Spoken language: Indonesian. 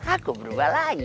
aku berubah lagi